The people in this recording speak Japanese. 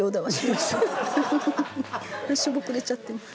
しょぼくれちゃってる。